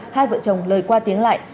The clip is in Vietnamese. hai vợ chồng lời qua tiếng lại